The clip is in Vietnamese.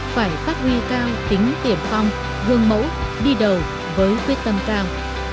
phải phát huy cao tính tiền phong gương mẫu đi đầu với quyết tâm cao